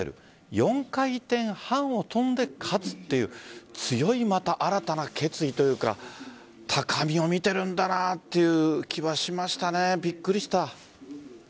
４回転半を跳んで勝つという強い新たな決意というか高みを見ているんだなという気はしましたね。